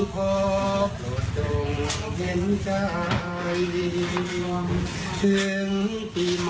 แค่ต้องรอราคาคงยังชิ้นน้อย